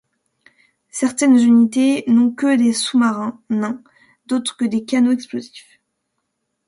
Certaines unités n’ont que des sous-marins nains, d’autres que des canots explosifs.